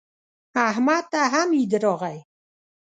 احمد ته هم عید راغی.